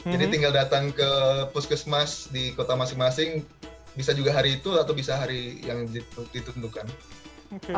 jadi tinggal datang ke puskesmas di kota masing masing bisa juga hari itu atau bisa hari yang ditentukan